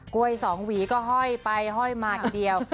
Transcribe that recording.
กล้วยสองหวีก็ห้อยไปห้อยมาทีเดียว